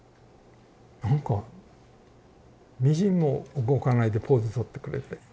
なんかみじんも動かないでポーズとってくれて。